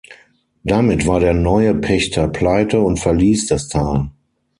Damit war der neue Pächter pleite und verließ das Tal.